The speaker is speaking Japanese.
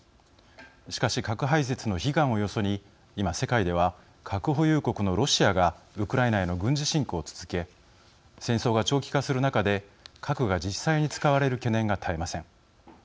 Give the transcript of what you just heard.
しかし、核廃絶の悲願をよそに今、世界では核保有国のロシアがウクライナへの軍事侵攻を続け戦争が長期化する中で核が実際に使われる懸念が絶えません。